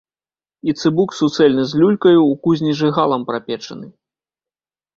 І цыбук суцэльны з люлькаю, у кузні жыгалам прапечаны.